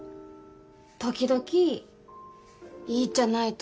時々いいっちゃないと？